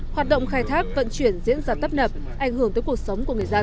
hoạt động khai thác vận chuyển diễn ra tấp nập ảnh hưởng tới cuộc sống của người dân